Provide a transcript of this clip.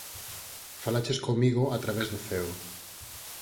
Falaches comigo a través do ceo.